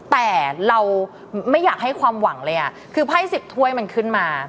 แต่เราไม่อยากให้ความหวังเลยคือไพ่๑๐ถ้วยมันขึ้นมา